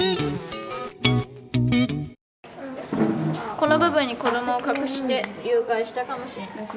この部分に子どもを隠して誘拐したかもしれない。